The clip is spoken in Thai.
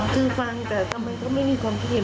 คือฟังแต่กลัวมันก็ไม่มีความเครียด